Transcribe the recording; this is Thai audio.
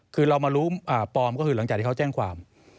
คือเรามารู้ปลอมก็คือหลังจากที่เขาแจ้งความ